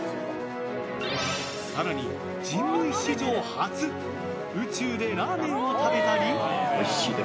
更に、人類史上初宇宙でラーメンを食べたり。